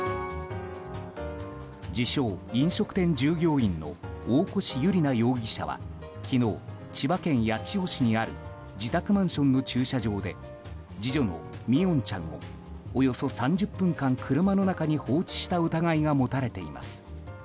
自称・飲食店従業員の大越悠莉奈容疑者は昨日、千葉県八千代市にある自宅マンションの駐車場で次女の三櫻音ちゃんをおよそ３０分間車の中に放置した疑いが持たれています。